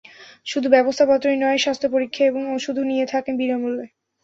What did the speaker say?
শুধু ব্যবস্থাপত্রই নয়, স্বাস্থ্য পরীক্ষা এবং ওষুধও দিয়ে থাকে বিনা মূল্যে।